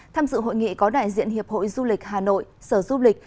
tham dự hội nghị có đại diện hiệp hội du lịch hà nội sở du lịch